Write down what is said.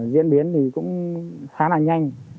diễn biến thì cũng khá là nhanh